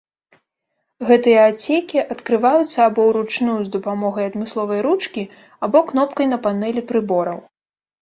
Гэтыя адсекі адкрываюцца або ўручную з дапамогай адмысловай ручкі, або кнопкай на панелі прыбораў.